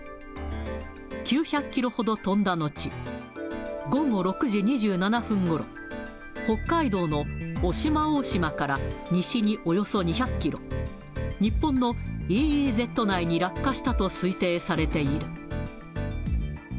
９００キロほど飛んだ後、午後６時２７分ごろ、北海道の渡島大島から西におよそ２００キロ、日本のＥＥＺ内に落下したと推定されている。